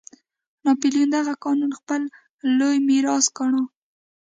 ناپلیون دغه قانون خپل لوی میراث ګاڼه.